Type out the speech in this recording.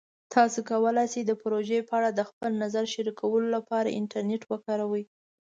تاسو کولی شئ د پروژې په اړه د خپل نظر شریکولو لپاره انټرنیټ وکاروئ.